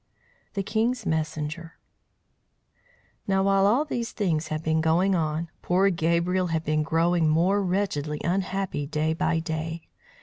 THE KING'S MESSENGER NOW while all these things had been going on, poor Gabriel had been growing more wretchedly unhappy day by day.